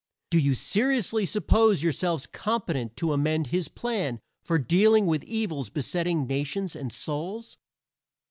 Do you seriously suppose yourselves competent to amend his plan for dealing with evils besetting nations and souls?